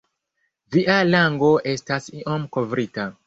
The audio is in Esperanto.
Via lango estas iom kovrita.